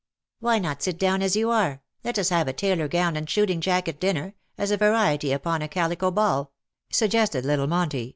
" Why not sit down as you are ? Let us have a tailor gown and shooting jacket dinner, as a variety upon a calico ball," suggested little Monty.